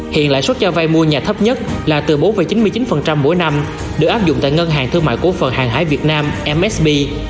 hiện lãi suất cho vay mua nhà thấp nhất là từ bốn chín mươi chín mỗi năm được áp dụng tại ngân hàng thương mại cổ phần hàng hải việt nam msb